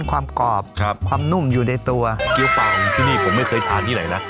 ความกรอบความนุ่มอยู่ในตัวเกี้ยวปากของที่นี่ผมไม่เคยทานที่ไหนนะ